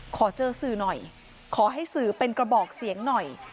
ขอเจอสื่อหน่อยขอให้สื่อเป็นกระบอกเสียงหน่อย